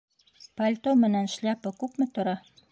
Пальто менән шляпа күпме тора?